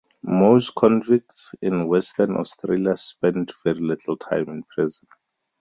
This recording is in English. Most convicts in Western Australia spent very little time in prison.